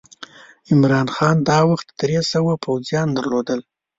عمرا خان دا وخت درې سوه پوځیان درلودل.